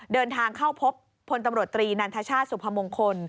เดินทางเข้าพบพลตำรวจตรีนันทชาติสุพมงคล